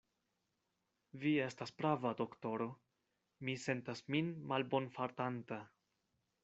Vi estas prava, doktoro; mi sentas min malbonfartanta.